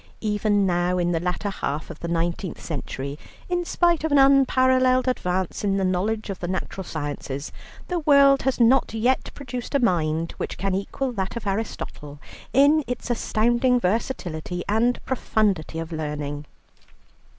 "Even now, in the latter half of the nineteenth century, in spite of an unparalleled advance in our knowledge of the natural sciences, the world has not yet produced a mind, which can equal that of Aristotle in its astounding versatility and profundity of learning."